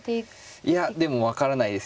いやでも分からないですよ。